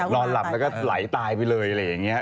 นอนหลับแล้วก็ไหลตายไปเลยอะไรอย่างนี้